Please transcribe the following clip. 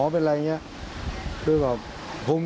พอรู้ข่าวเมื่อวานนี้